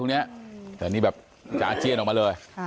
พอเนี้ยแต่มีแบบอาเจียนออกมาเลย